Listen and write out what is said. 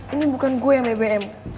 ini bukan gue yang bebe em